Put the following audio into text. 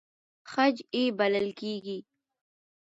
خج یې بلل کېږي.